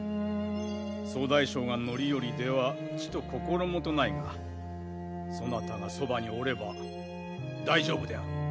総大将が範頼ではちと心もとないがそなたがそばにおれば大丈夫であろう。